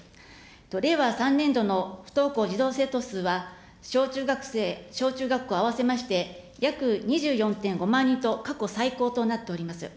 令和３年度の不登校児童生徒数は、小中学生、小中学校合わせまして、約２４．５万人と、過去最高となっております。